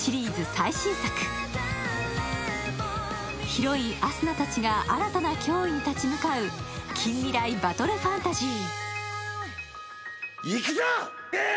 ヒロイン・アスナたちが新たな脅威に立ち向かう近未来バトルファンタジー。